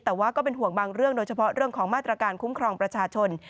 แต่ว่าก็เป็นห่วงบางเรื่องโดยเฉพาะเรื่องของมาตรการคุ้มครองประชาชน